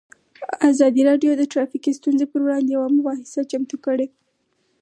ازادي راډیو د ټرافیکي ستونزې پر وړاندې یوه مباحثه چمتو کړې.